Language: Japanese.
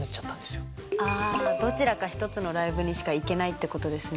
ああどちらか１つのライブにしか行けないってことですね。